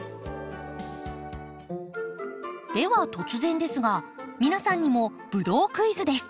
では突然ですが皆さんにもブドウクイズです。